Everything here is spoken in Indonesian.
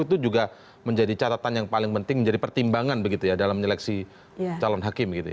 itu juga menjadi catatan yang paling penting menjadi pertimbangan dalam seleksi calon hakim